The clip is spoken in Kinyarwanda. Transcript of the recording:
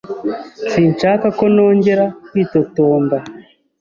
Sinshaka ko nongera kwitotomba.